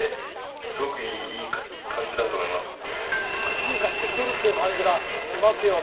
進化して来てるっていう感じがしますよね。